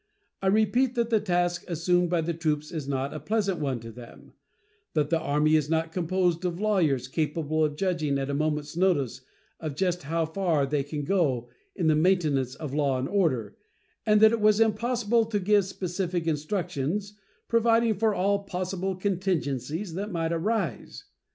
I repeat that the task assumed by the troops is not a pleasant one to them; that the Army is not composed of lawyers, capable of judging at a moment's notice of just how far they can go in the maintenance of law and order, and that it was impossible to give specific instructions providing for all possible contingencies that might arise.